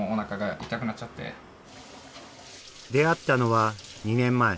出会ったのは２年前。